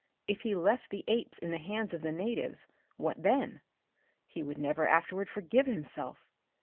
If he left the apes in the hands of the natives, what then? He would never afterward forgive himself.